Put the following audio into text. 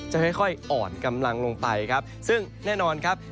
จะค่อยอ่อนกำลังลงไปครับซึ่งแน่นอนครับ